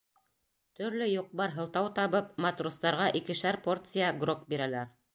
Төрлө юҡ-бар һылтау табып, матростарға икешәр порция грог бирәләр.